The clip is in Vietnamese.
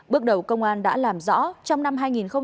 bước đầu công an đã làm rõ trong năm hai nghìn hai mươi ba